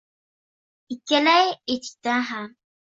Ikkala etikda ham